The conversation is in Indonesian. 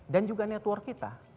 dan juga network kita